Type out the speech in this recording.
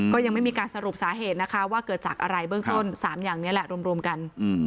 ก็ยังไม่มีการสรุปสาเหตุนะคะว่าเกิดจากอะไรเบื้องต้น๓อย่างนี้แหละรวมกัน